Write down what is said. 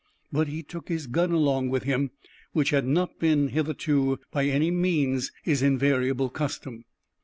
But he took his gun along with him, which had not been hitherto by any means his invariable custom.